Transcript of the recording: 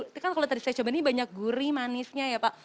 itu kan kalau tadi saya coba ini banyak gurih manisnya ya pak